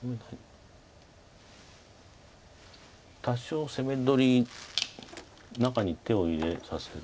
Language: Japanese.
多少攻め取り中に手を入れさせる。